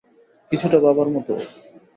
কিছুটা বাবার মত ও।